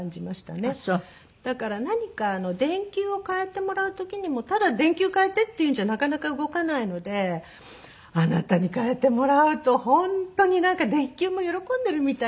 だから何か電球を替えてもらう時にもただ「電球替えて」って言うんじゃなかなか動かないので「あなたに替えてもらうと本当になんか電球も喜んでるみたい。